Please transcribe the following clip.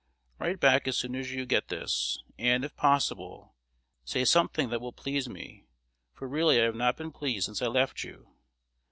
Write back as soon as you get this, and, if possible, say something that will please me; for really I have not been pleased since I left you.